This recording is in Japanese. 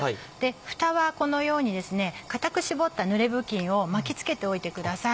ふたはこのように固く絞ったぬれ布巾を巻き付けておいてください。